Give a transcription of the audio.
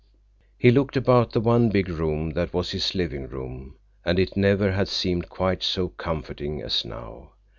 He looked about the one big room that was his living room, and it never had seemed quite so comforting as now.